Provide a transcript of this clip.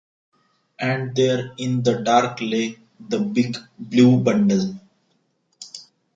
And there in the dark lay the big blue bundle.